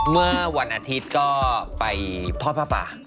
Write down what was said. เมื่อวันอาทิตย์ก็ไปทอดผ้าป่า